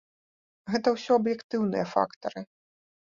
Гэта ўсё аб'ектыўныя фактары.